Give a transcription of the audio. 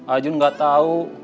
ajun gak tau